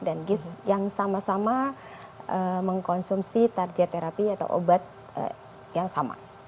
dan giz yang sama sama mengkonsumsi target terapi atau obat yang sama